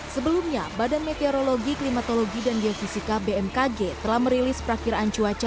sebelumnya badan meteorologi klimatologi dan geofisika bmkg telah merilis perakhiran cuaca